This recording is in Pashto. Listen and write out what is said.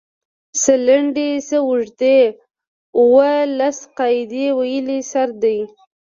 څۀ لنډې څۀ اوږدې اووه لس قاعدې ويلی سر دی